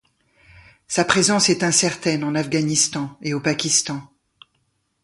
Sa présence est incertaine en Afghanistan et au Pakistan.